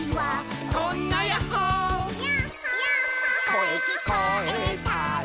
「こえきこえたら」